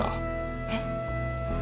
えっ？